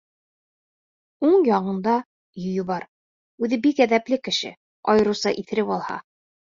Уң яңағында йөйө бар, үҙе бик әҙәпле кеше, айырыуса иҫереп алһа.